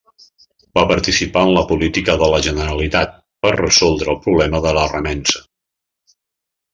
Va participar en la política de la Generalitat per resoldre el problema de la remença.